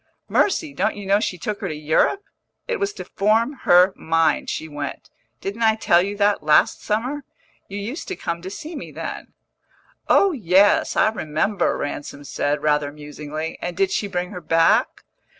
"Mercy! don't you know she took her to Europe? It was to form her mind she went. Didn't I tell you that last summer? You used to come to see me then." "Oh yes, I remember," Ransom said, rather musingly. "And did she bring her back?"